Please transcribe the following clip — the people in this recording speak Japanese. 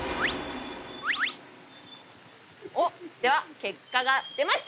では結果が出ました。